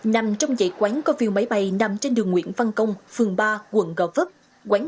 nằm trong dãy quán có view máy bay nằm trên đường nguyễn văn công phường ba quận gò vấp quán